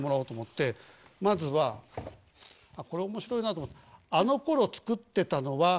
まずはあっこれ面白いなと思ったの。